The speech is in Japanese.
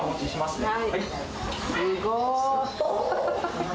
すごーい。